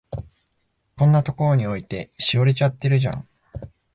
こんなとこに置いて、しおれちゃってるじゃん。